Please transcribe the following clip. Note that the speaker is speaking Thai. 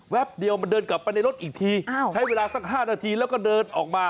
เดียวมันเดินกลับไปในรถอีกทีใช้เวลาสัก๕นาทีแล้วก็เดินออกมา